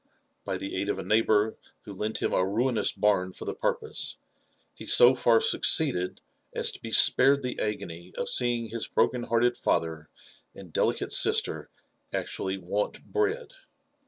By the aid of a neighbour who lent him a ruinous barn for the purpose, he so tair succeeded as to be ^ared the agony of seeing his broken hearted fatlier and delicate sister actually want bread.